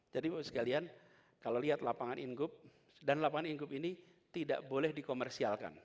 jadi kalau kalian lihat lapangan ingup dan lapangan ingup ini tidak boleh dikomersialkan